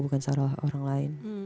bukan salah orang lain